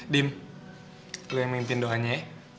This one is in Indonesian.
dim lo yang mimpin doanya ya